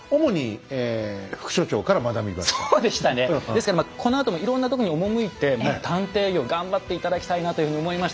ですからこのあともいろんなとこに赴いて探偵業を頑張って頂きたいなというふうに思いました。